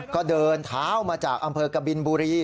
ก็เดินเท้ามาจากอำเภอกบินบุรี